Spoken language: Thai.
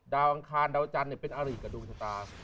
อังคารดาวจันทร์เป็นอาริกับดวงชะตา